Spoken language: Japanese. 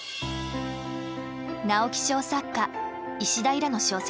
直木賞作家石田衣良の小説